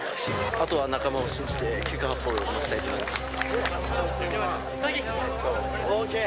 あとは仲間を信じて、結果発表を待ちたいと思います。